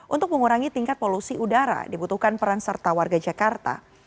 untuk mengurangi tingkat polusi udara dibutuhkan peran serta warga jakarta